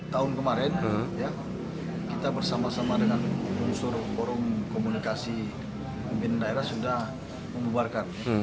tahun kemarin kita bersama sama dengan unsur forum komunikasi pemimpin daerah sudah membubarkan